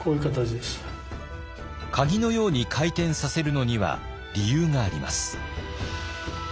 鍵のように回転させるのには理由があります。